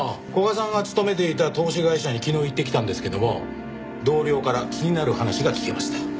古賀さんが勤めていた投資会社に昨日行ってきたんですけども同僚から気になる話が聞けました。